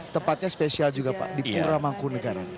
tempatnya spesial juga pak di pura mangku negara